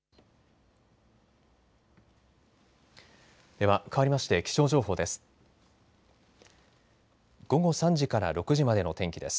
では、かわりまして気象情報です。